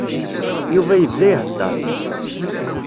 Yuba yebda iheddeṛ.